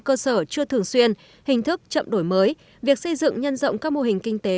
cơ sở chưa thường xuyên hình thức chậm đổi mới việc xây dựng nhân rộng các mô hình kinh tế